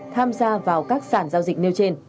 tham gia vào các sản giao dịch nêu trên